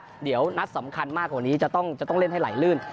เดี๋ยวนัดสำคัญมากกว่านี้จะต้องเล่นให้ไหลลื่น